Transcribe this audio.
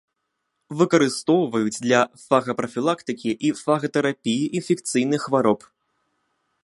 Выкарыстоўваюць для фагапрафілактыкі і фагатэрапіі інфекцыйных хвароб.